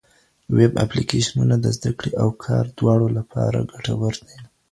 ویب اپلېکېشنونه د زده کړې او کار دواړو لپاره ګټور دي.